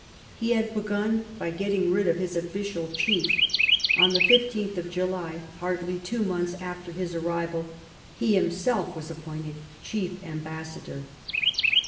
He had begun by getting rid of his ofhcial chief ; on the 15th of July, hardly two months after his arrival, he himself was ap pointed Chief Ambassador.